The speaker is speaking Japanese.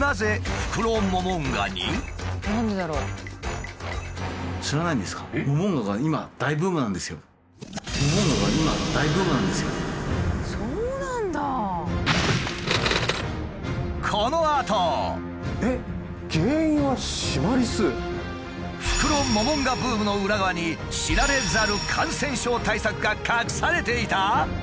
フクロモモンガブームの裏側に知られざる感染症対策が隠されていた！？